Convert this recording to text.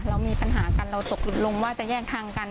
เรามีปัญหากันเราตกลงว่าจะแยกทางกัน